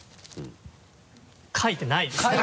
かいてないですね。